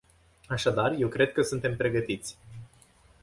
Așadar, eu cred că suntem pregătiți.